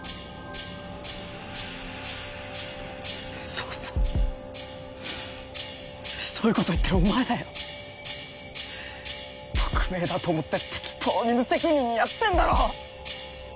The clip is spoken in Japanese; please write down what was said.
そうそうそういうこと言ってるお前だよ匿名だと思って適当に無責任にやってんだろ？